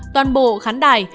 toàn bộ khán đài